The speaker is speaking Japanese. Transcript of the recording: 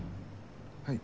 はい。